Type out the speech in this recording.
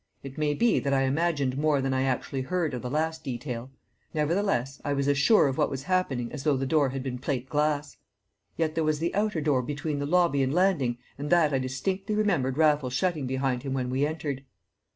It may be that I imagined more than I actually heard of the last detail; nevertheless I was as sure of what was happening as though the door had been plate glass. Yet there was the outer door between lobby and landing and that I distinctly remembered Raffles shutting behind him when we entered.